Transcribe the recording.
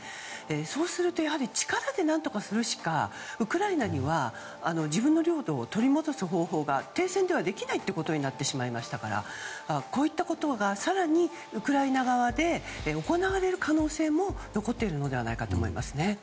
そうするとやはり力で何とかするしかウクライナには自分の領土を取り戻す方法が停戦ではできないということになってしまいましたからこういったことが更にウクライナ側で行われる可能性も残っているのではないかと思います。